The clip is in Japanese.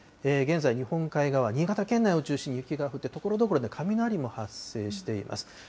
現在、日本海側、新潟県内を中心に雪が降って、ところどころで雷も発生しています。